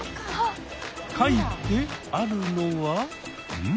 書いてあるのはん？